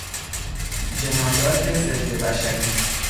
جنایات ضد بشری